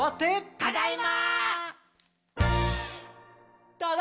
ただいま！